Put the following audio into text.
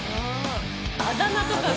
あだ名とかね。